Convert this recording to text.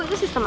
itu sistem apa